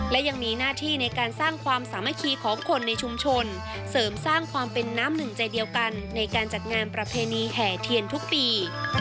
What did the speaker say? และยังมีหน้าที่ในการสร้างความสามัคคีของคนในชุมชนเสริมสร้างความเป็นน้ำหนึ่งใจเดียวกันในการจัดงานประเพณีแห่เทียนทุกปี